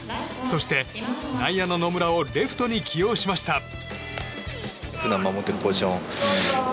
そして内野の野村をレフトに起用しました。